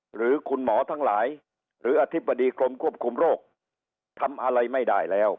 หรือคุณหมอทั้งหลายหรืออธิบดีกรมควบคุมโรคทำอะไรไม่ได้แล้ว